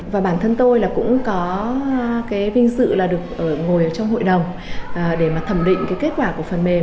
và bản thân tôi cũng có vinh dự được ngồi trong hội đồng để thẩm định kết quả của phần mềm